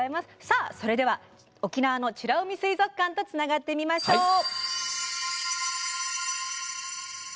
それでは、沖縄の美ら海水族館とつながってみましょう！